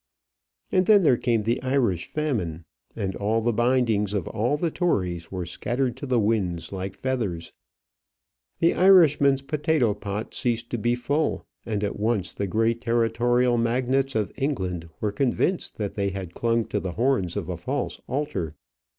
And then there came the Irish famine, and all the bindings of all the Tories were scattered to the winds like feathers. The Irishman's potato pot ceased to be full, and at once the great territorial magnates of England were convinced that they had clung to the horns of a false altar.